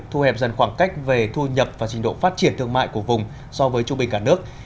thu hẹp dần khoảng cách về thu nhập và trình độ phát triển thương mại của vùng so với trung bình cả nước